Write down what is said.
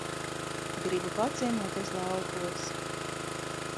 Gribu paciemoties laukos.